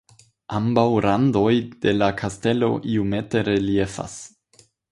Ambaŭ randoj de la kastelo iomete reliefas.